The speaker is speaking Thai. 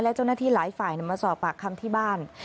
และเจ้าหน้าที่หลายฝ่ายมาสอบปากคำที่บ้าน